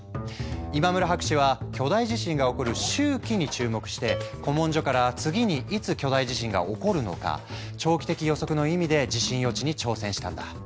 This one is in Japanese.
今村博士は巨大地震が起こる周期に注目して古文書から次にいつ巨大地震が起こるのか「長期的予測」の意味で地震予知に挑戦したんだ。